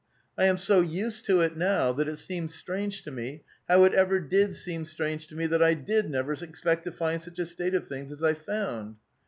I am so used to it now that it seems strange to me how it ever did seem strange to me that I did never expect to find such a state of things as I found.